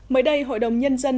mới đây hội đồng nhân dân